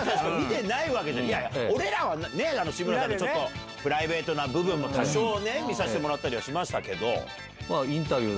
俺らはね志村さんのプライベートな部分も多少見させてもらったりはしたけど。